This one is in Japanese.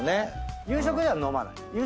夕食では飲まない？